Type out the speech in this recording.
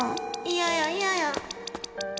嫌や、嫌や。